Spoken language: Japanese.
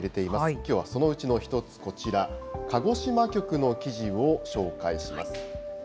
きょうはそのうちの１つ、こちら、鹿児島局の記事を紹介します。